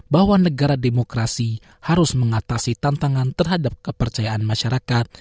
bahwa negara demokrasi harus mengatasi tantangan terhadap kepercayaan masyarakat